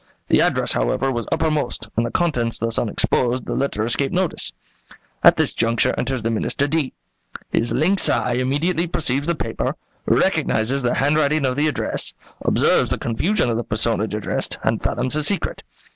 The address, however, was uppermost, and, the contents thus unexposed, the letter escaped notice. At this juncture enters the Minister D . His lynx eye immediately perceives the paper, recognizes the handwriting of the address, observes the confusion of the personage addressed, and fathoms her secret.